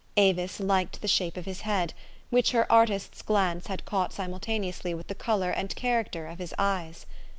Avis liked the shape of his head, which her artist's glance had caught simultaneously with the color and character of his eyes.